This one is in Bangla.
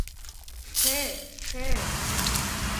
হ্যাঁঁ - হ্যাঁঁ।